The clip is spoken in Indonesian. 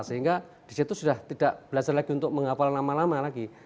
sehingga disitu sudah tidak belajar lagi untuk menghafal nama nama lagi